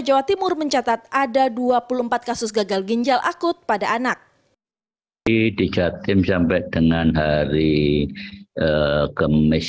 jawa timur mencatat ada dua puluh empat kasus gagal ginjal akut pada anak di jatim sampai dengan hari kemis